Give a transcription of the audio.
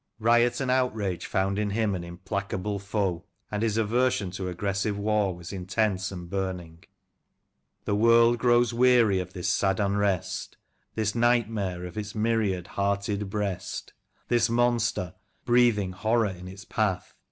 Riot and outrage found in him an implacable foe, and his aversion to aggressive war was intense and burning. " The world grows weary of this sad unrest, This nightmare of its myriad hearted breast, This monster, breathing horror in its path.